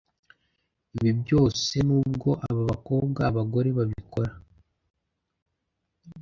Ibi byose n’ubwo aba bakobwa (abagore) babikora